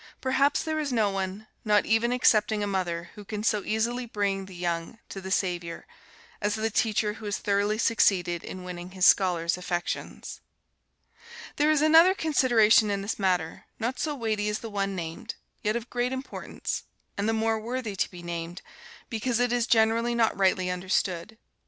Perhaps there is no one, not even excepting a mother, who can so easily bring the young to the Saviour, as the teacher who has thoroughly succeeded in winning his scholars' affections. There is another consideration in this matter, not so weighty as the one named, yet of great importance, and the more worthy to be named, because it is generally not rightly understood.